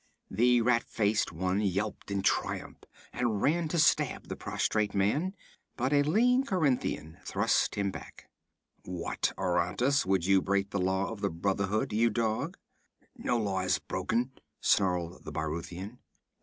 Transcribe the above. The rat faced one yelped in triumph and ran to stab the prostrate man, but a lean Corinthian thrust him back. 'What, Aratus, would you break the law of the Brotherhood, you dog?' 'No law is broken,' snarled the Brythunian.